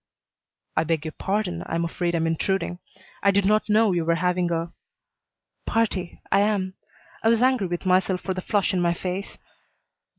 "I beg your pardon. I'm afraid I'm intruding. I did not know you were having a " "Party. I am." I was angry with myself for the flush in my face.